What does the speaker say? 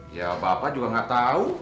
ya bapak juga nggak tahu